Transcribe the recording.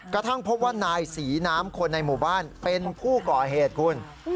กระทั่งพบว่านายศรีน้ำคนในหมู่บ้านเป็นผู้ก่อเหตุคุณ